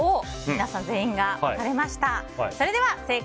皆さん、全員が変えました。